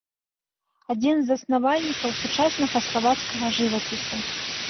Адзін з заснавальнікаў сучаснага славацкага жывапісу.